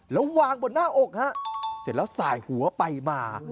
แล้ววางบนหน้าอกฮะเสร็จแล้วสายหัวไปมา